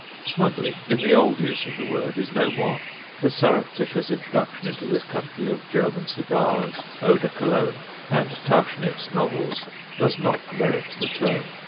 Smuggling, in the old use of the word, is no more. The surreptitious introduction into this country of German cigars, eau de Cologne, and Tauchnitz novels, does not merit the term.